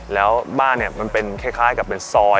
แล้วบ้านเนี่ยมันเป็นคล้ายกับเป็นซอย